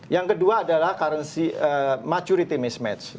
yang kedua adalah currency majority mismatch